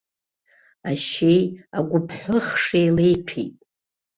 Ашьеи агәыԥҳәыхши еилеиҭәеит.